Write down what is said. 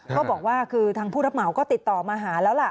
ก็บอกว่าคือทางผู้รับเหมาก็ติดต่อมาหาแล้วล่ะ